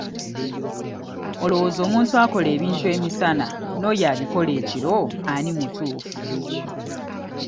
Olowooza omuntu akola ebintu emisana n'oyo abikola ekiro ani mutuufu?